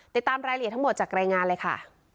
ติดตามรายละเอียดทั้งหมดจากรายงานเลยค่ะ